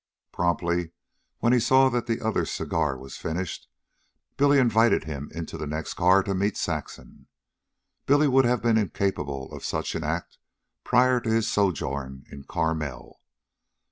Promptly, when he saw that the other's cigar was finished, Billy invited him into the next car to meet Saxon. Billy would have been incapable of such an act prior to his sojourn in Carmel.